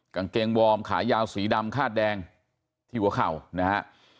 กางเกงวอร์มขายาวสีดำคาดแดงที่หัวเข่านะฮะ